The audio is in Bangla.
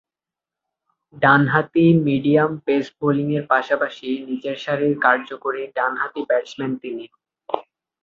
ডানহাতি মিডিয়াম পেস বোলিংয়ের পাশাপাশি নিচের সারির কার্যকরী ডানহাতি ব্যাটসম্যান তিনি।